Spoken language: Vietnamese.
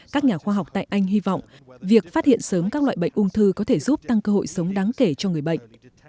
các nhà khoa học tại anh hy vọng việc phát hiện sớm các loại bệnh ung thư có thể giúp tăng cơ hội sống đáng kể cho người bệnh